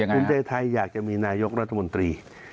ภูมิใจไทยอยากจะมีนายกรัฐมนตรี